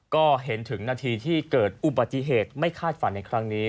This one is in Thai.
ก็เห็นถึงนาทีที่เกิดอุบัติเหตุไม่คาดฝันในครั้งนี้